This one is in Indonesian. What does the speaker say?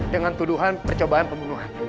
dengan tuduhan percobaan pembunuhan